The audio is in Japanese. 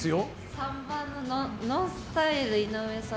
３番の方ＮＯＮＳＴＹＬＥ、井上さん。